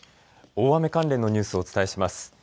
大雨関連のニュースをお伝えします。